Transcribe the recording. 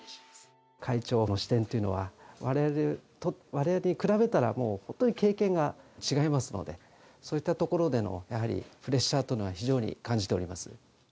会長の視点というのは、われわれに比べたら、本当に経験が違いますので、そういったところでのやはりプレッシャーというのは、非常に感じております。